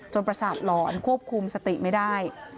ประสาทหลอนควบคุมสติไม่ได้